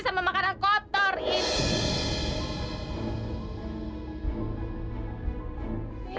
sama makanan kotor ini